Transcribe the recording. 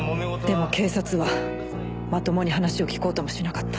でも警察はまともに話を聞こうともしなかった。